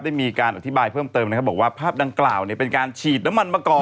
ได้มีการอธิบายเพิ่มเติมนะครับบอกว่าภาพดังกล่าวเนี่ยเป็นการฉีดน้ำมันมาก่อน